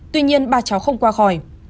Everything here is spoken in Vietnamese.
tuy nhiên ba cháu không qua khỏi